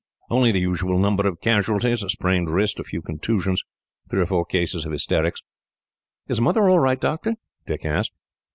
"Only the usual number of casualties a sprained wrist, a few contusions, and three or four cases of hysterics." "Is Mother all right, doctor?" Dick asked.